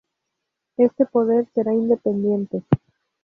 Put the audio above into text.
Este poder será independiente.